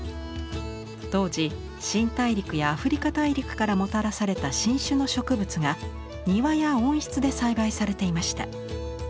当時新大陸やアフリカ大陸からもたらされた新種の植物が庭や温室で栽培されていました。